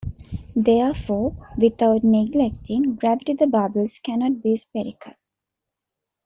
Therefore, without neglecting gravity the bubbles cannot be spherical.